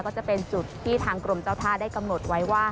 ก็จะเป็นจุดที่ทางกรมเจ้าท่าได้กำหนดไว้ว่า